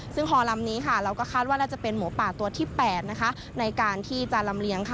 ซึ่งฮอลำนี้เราก็คาดว่าจะเป็นหมูปากตัวที่๘ในการที่จะลำเลี้ยง